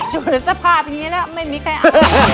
อยู่ในสภาพอย่างนี้แล้วไม่มีใครอ้าว